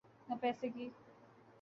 نہ پیسے کی۔